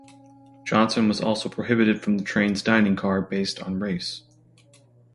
Johnson was also prohibited from the train’s dining car based on race.